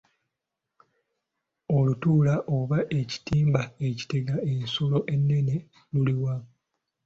Olutuula oba ekitimba ekitega ensolo ennene luli wa?